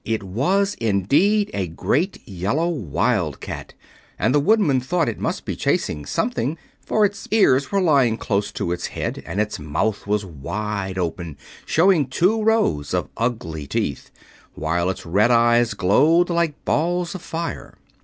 It was, indeed, a great yellow Wildcat, and the Woodman thought it must be chasing something, for its ears were lying close to its head and its mouth was wide open, showing two rows of ugly teeth, while its red eyes glowed like balls of fire.